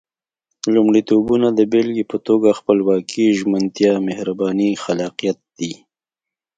لومړيتوبونه د بېلګې په توګه خپلواکي، ژمنتيا، مهرباني، خلاقيت دي.